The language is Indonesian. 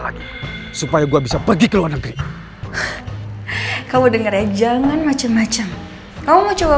lagi supaya gua bisa pergi ke luar negeri kamu dengerin jangan macem macem kamu coba